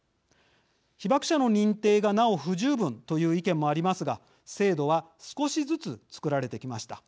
被爆者の認定がなお不十分という意見もありますが制度は少しずつ作られてきました。